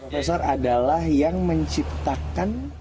peser adalah yang menciptakan